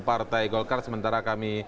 partai golkar sementara kami